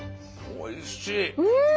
おいしい！